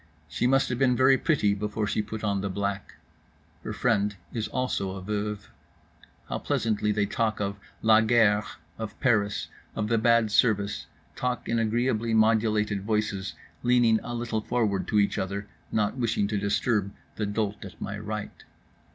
She must have been very pretty before she put on the black. Her friend is also a veuve. How pleasantly they talk, of la guerre, of Paris, of the bad service; talk in agreeably modulated voices, leaning a little forward to each other, not wishing to disturb the dolt at my right.